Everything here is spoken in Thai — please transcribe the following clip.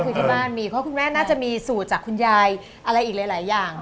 เพราะคุณแม่น่าจะมีสูตรจากคุณยายอะไรอีกหลายอย่าง